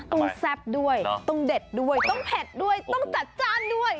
แซ่บด้วยต้องเด็ดด้วยต้องเผ็ดด้วยต้องจัดจ้านด้วย